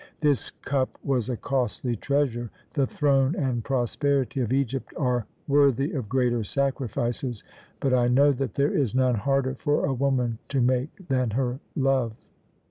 This cup was a costly treasure. The throne and prosperity of Egypt are worthy of greater sacrifices. But I know that there is none harder for a woman to make than her love."